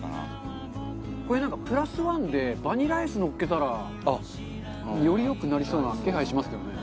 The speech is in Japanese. これなんかプラスワンでバニラアイスのっけたらより良くなりそうな気配しますけどね。